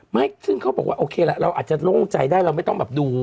ไม่ซึ่งเขาบอกว่าโอเคละเราอาจจะโล่งใจได้เราไม่ต้องแบบดู